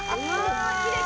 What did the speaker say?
きれい！